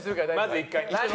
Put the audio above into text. まず１回。